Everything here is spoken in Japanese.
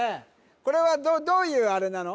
これはどういうあれなの？